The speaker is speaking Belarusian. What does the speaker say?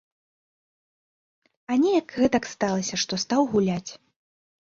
А неяк гэтак сталася, што стаў гуляць.